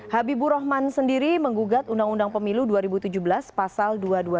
habibur rahman sendiri menggugat undang undang pemilu dua ribu tujuh belas pasal dua ratus dua puluh